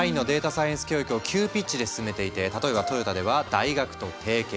サイエンス教育を急ピッチで進めていて例えばトヨタでは大学と提携。